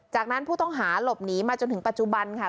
จากนั้นผู้ต้องหาหลบหนีมาจนถึงปัจจุบันค่ะ